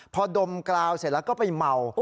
พอดมกราวเสร็จแล้วก็ไปเมา